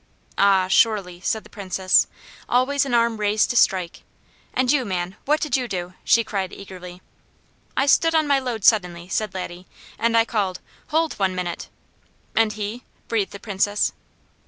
"Ah, surely!" said the Princess. "Always an arm raised to strike. And you, Man? What did you do?" she cried eagerly. "I stood on my load, suddenly," said Laddie, "and I called: 'Hold one minute!'" "And he?" breathed the Princess.